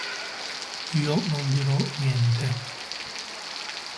Io non dirò niente.